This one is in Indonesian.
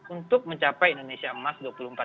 untuk mencapai indonesia emas dua ribu empat puluh lima